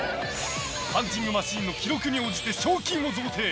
パンチングマシンの記録に応じて賞金を贈呈。